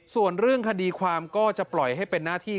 ส่วนเรื่องคดีความก็จะปล่อยให้เป็นหน้าที่